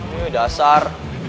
ini udah asar